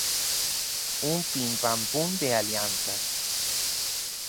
Un pim, pam, pum de alianzas.